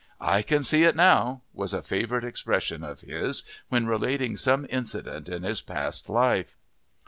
"I can see it now," was a favourite expression of his when relating some incident in his past life.